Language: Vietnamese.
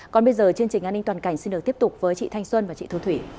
còn bây giờ chương trình an ninh toàn cảnh xin được tiếp tục với chị thanh xuân và chị thu thủy